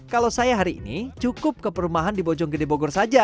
kalau saya hari ini cukup ke perumahan di bojong gede bogor saja